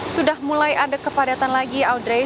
sudah mulai ada kepadatan lagi audrey